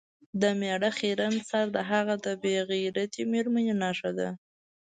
د میړه خیرن سر د هغه د بې غیرتې میرمنې نښه ده.